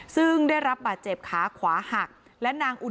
ซึ่งได้รับบาดเจ็บขาขวาหักและนางอุ่น